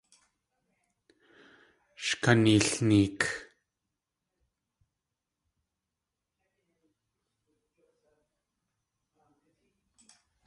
Sh kaneelneek!